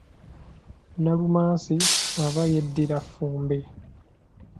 Nalumansi aba yeddira Ffumbe.